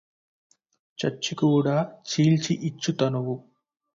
చచ్చి కూడ చీల్చి యిచ్చు తనువు